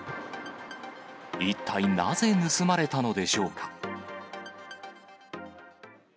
一体なぜ盗まれたのでしょうか。